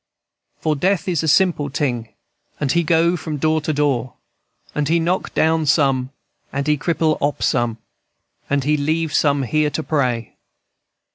"For Death is a simple ting, And he go from door to door, And he knock down some, and he cripple op some, And he leave some here to pray.